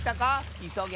いそげ！